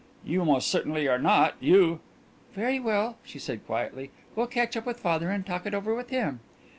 "You most certainly are not. You " "Very well," she said quietly, "we'll catch up with father and talk it over with him."